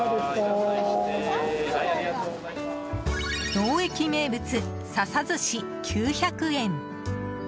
能生駅名物、笹寿司９００円。